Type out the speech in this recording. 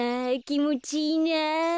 きもちいいな。